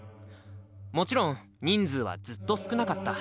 もちろん人数はずっと少なかった。